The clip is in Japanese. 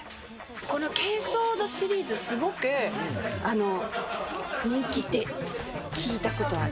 この珪藻土シリーズ、すごく、人気って聞いたことある。